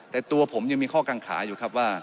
แต่ตัวผมยังมีข้อกังขาอยู่ครับว่า